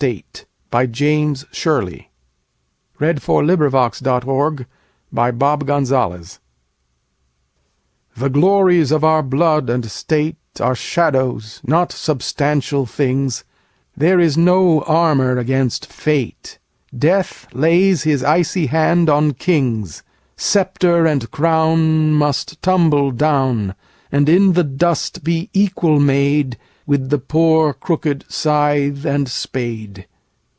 1909–14. James Shirley 228. The Glories of our Blood and State THE GLORIES of our blood and stateAre shadows, not substantial things; There is no armour against fate; Death lays his icy hand on kings:Sceptre and CrownMust tumble down, And in the dust be equal madeWith the poor crooked scythe and spade.